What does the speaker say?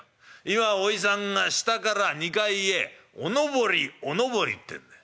今おじさんが下から２階へおのぼりおのぼりってんで。